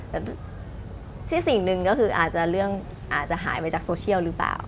แต่ที่สิ่งหนึ่งก็คืออาจจะหายไปจากโซเชียลหรือเปล่า